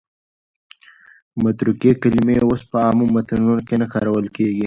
متروکې کلمې اوس په عامو متنونو کې نه کارول کېږي.